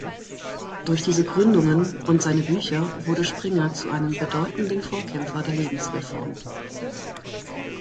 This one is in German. Durch diese Gründungen und seine Bücher wurde Springer zu einem bedeutenden Vorkämpfer der Lebensreform.